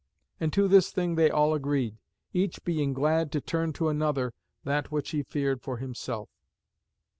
And to this thing they all agreed, each being glad to turn to another that which he feared for himself.